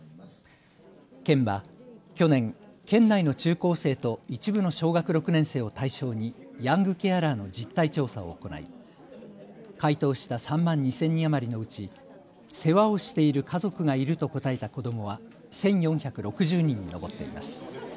県は去年、県内の中高生と一部の小学６年生を対象にヤングケアラーの実態調査を行い回答した３万２０００人余りのうち世話をしている家族がいると答えた子どもは１４６０人に上っています。